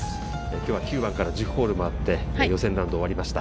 きょうは９番から１０ホール回って、予選ラウンド終わりました。